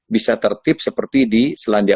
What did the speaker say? bisa tertip seperti di selandia